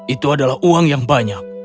itu adalah uang yang banyak